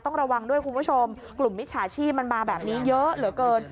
ต้องระวังด้วยคุณผู้ชมกลุ่มมิจฉาชีพมันมาแบบนี้เยอะเหลือเกิน